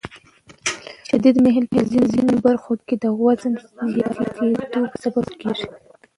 شدید میل په ځینو برخو کې د وزن زیاتېدو سبب کېږي.